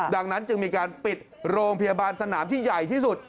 ดังนั้นจึงมีการปิดโรงพยาบาลสนามที่ใหญ่ที่สุด